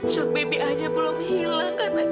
sok bibi aja belum hilang karena hilang